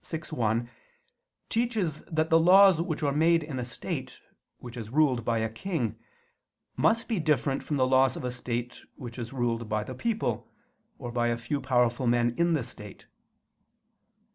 iv, 1) teaches that the laws which are made in a state which is ruled by a king must be different from the laws of a state which is ruled by the people, or by a few powerful men in the state.